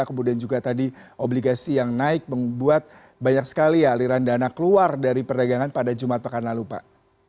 kemudian juga tadi obligasi yang naik membuat banyak sekali aliran dana keluar dari perdagangan pada jumat pekan lalu pak